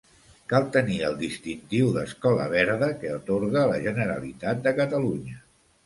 Cal tenir el distintiu d'escola verda que atorga la Generalitat de Catalunya.